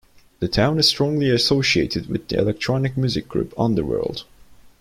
The town is strongly associated with the electronic music group Underworld.